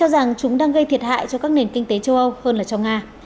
rằng chúng đang gây thiệt hại cho các nền kinh tế châu âu hơn là cho nga